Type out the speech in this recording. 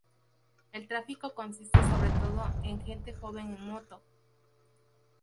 El tráfico consiste sobre todo en gente joven en moto.